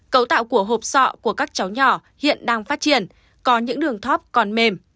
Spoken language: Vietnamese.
cấu tạo của hộp sọ của các cháu nhỏ hiện đang phát triển có những đường top còn mềm